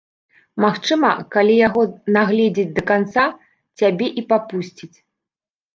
Магчыма, калі яго надгледзець да канца, цябе і папусціць.